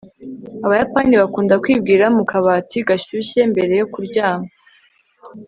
Abayapani bakunda kwibira mu kabati gashyushye mbere yo kuryama